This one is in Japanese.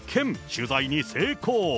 取材に成功。